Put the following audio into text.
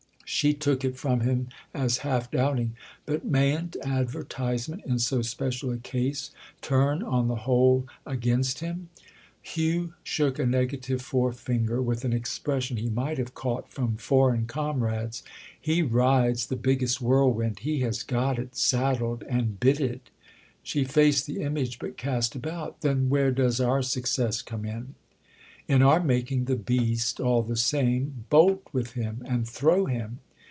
She took it from him as half doubting. "But mayn't advertisement, in so special a case, turn, on the whole, against him?" Hugh shook a negative forefinger with an expression he might have caught from foreign comrades. "He rides the biggest whirlwind—he has got it saddled and bitted." She faced the image, but cast about "Then where does our success come in?" "In our making the beast, all the same, bolt with him and throw him."